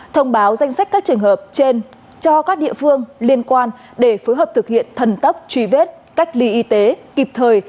thông báo danh sách các trường hợp trên cho các địa phương liên quan để phối hợp thực hiện thần tốc truy vết cách ly y tế kịp thời